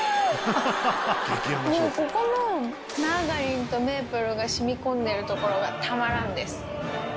ここのマーガリンとメープルが染み込んでる所がたまらんです。